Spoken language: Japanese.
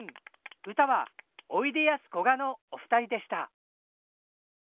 歌はおいでやすこがのお二人でした。